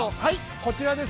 こちらです。